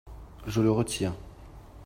Je le retire.